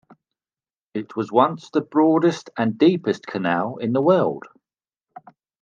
It was once the broadest and deepest canal in the world.